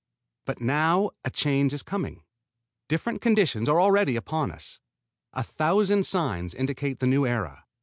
But now a change is coming. Different conditions are already upon us. A thousand signs indicate the new era.